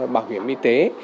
bảo hiểm y tế